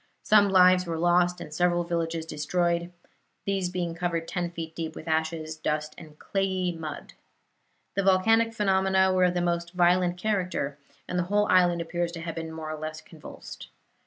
Some lives were lost, and several villages were destroyed, these being covered ten feet deep with ashes, dust and clayey mud. The volcanic phenomena were of the most violent character, and the whole island appears to have been more or less convulsed.